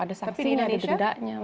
ada saksinya ada dendanya